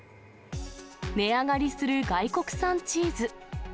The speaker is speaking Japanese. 値上がりする外国産チーズ。